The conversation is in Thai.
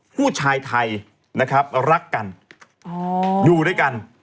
ผู้ชายไทยนะครับรักกันอยู่ด้วยกัน